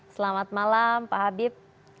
selamat malam pak habib